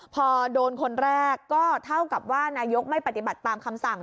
พอโดนคนแรกก็เท่ากับว่านายกไม่ปฏิบัติตามคำสั่ง